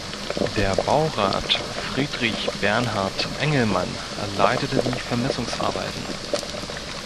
Der Baurat "Friedrich Bernhard Engelmann" leitete die Vermessungsarbeiten.